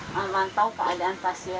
nggak mau nonton keadaan pasien